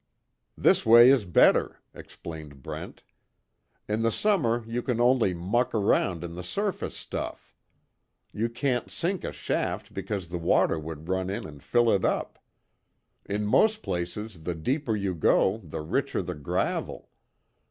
"This way is better," explained Brent. "In the summer you can only muck around in the surface stuff. You can't sink a shaft because the water would run in and fill it up. In most places the deeper you go the richer the gravel.